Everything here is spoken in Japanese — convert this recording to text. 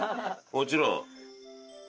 もちろん。